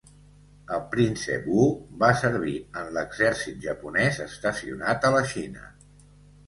El Príncep Wu va servir en l'exèrcit japonès estacionat a la Xina.